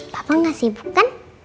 papa gak sibuk kan